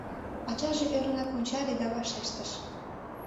Ачаже ӧрынрак ончале да вашештыш: